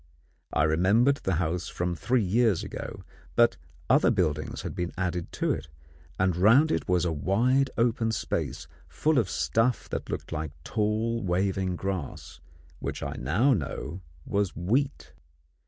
I remembered the house from three years ago, but other buildings had been added to it, and round it was a wide open space full of stuff that looked like tall waving grass, which I now know was wheat.